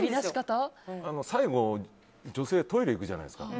最後、女性トイレ行くじゃないですか。